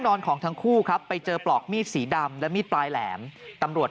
ของทั้งคู่ครับไปเจอปลอกมีดสีดำและมีดปลายแหลมตำรวจ